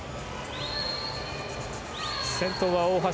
先頭は大橋。